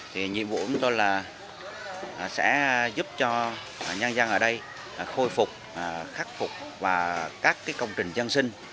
thì nhiệm vụ của tôi là sẽ giúp cho nhân dân ở đây khôi phục khắc phục và các công trình dân sinh